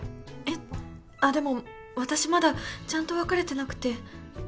えっあっでも私まだちゃんと別れてなくて。